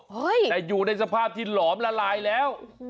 แต่อยู่ในสภาพที่หลอมละลายแล้ว